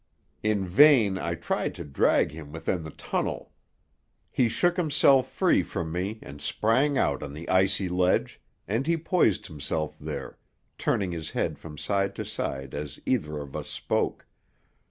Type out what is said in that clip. In vain I tried to drag him within the tunnel. He shook himself free from me and sprang out on the icy ledge, and he poised himself there, turning his head from side to side as either of us spoke.